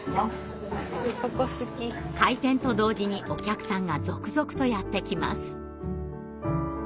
開店と同時にお客さんが続々とやって来ます。